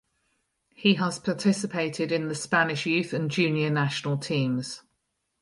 He has participated in the Spanish youth and junior national teams.